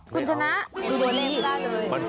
คุณชนะเป็นตัวเลขล่าเลย